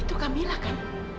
itu kamila kan